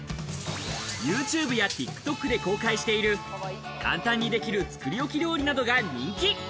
ユーチューバーやＴｉｋＴｏｋで公開している、簡単にできる作り置き料理などが人気。